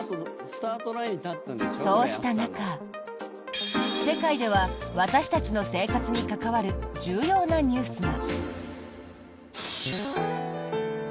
そうした中、世界では私たちの生活に関わる重要なニュースが。